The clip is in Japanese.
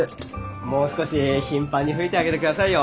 もう少し頻繁に吹いてあげてくださいよ。